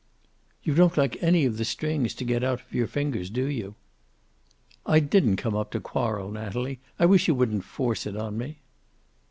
"You don't like any of the strings to get out of your fingers, do you?" "I didn't come up to quarrel, Natalie. I wish you wouldn't force it on me."